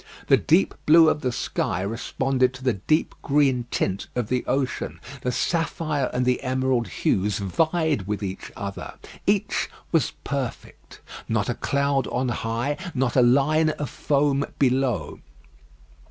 The deep blue of the sky responded to the deep green tint of the ocean. The sapphire and the emerald hues vied with each other. Each were perfect. Not a cloud on high, not a line of foam below.